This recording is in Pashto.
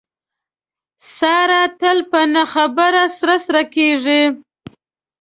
ساره تل په نه خبره سره سره کېږي.